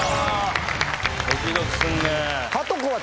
ドキドキすんね。